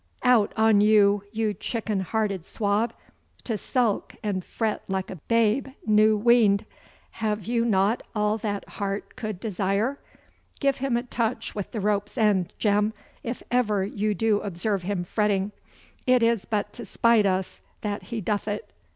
Out on you, you chicken hearted swab, to sulk and fret like a babe new weaned! Have you not all that heart could desire? Give him a touch with the rope's end, Jem, if ever you do observe him fretting. It is but to spite us that he doth it.